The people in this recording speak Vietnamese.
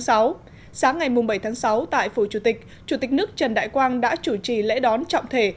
sáng ngày bảy tháng sáu tại phủ chủ tịch chủ tịch nước trần đại quang đã chủ trì lễ đón trọng thể